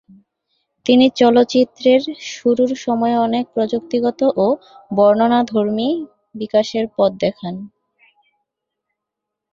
তিনি চলচ্চিত্রের শুরুর সময়ের অনেক প্রযুক্তিগত ও বর্ণনাধর্মী বিকাশের পথ দেখান।